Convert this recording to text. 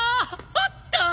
あった！